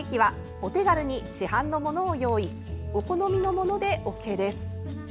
お好みのものでＯＫです。